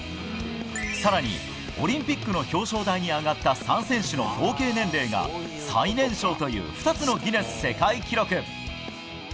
更に、オリンピックの表彰台に上がった３選手の合計年齢が最年少という２つのギネス世界記録。